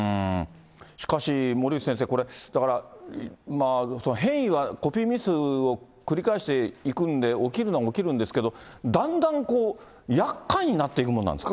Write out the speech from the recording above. しかし森内先生、これ、だから、変異はコピーミスを繰り返していくんで、起きるのは起きるんですけど、だんだんやっかいになっていくものなんですか？